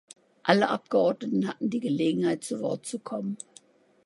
Alle Abgeordneten hatten die Gelegenheit, zu Wort zu kommen.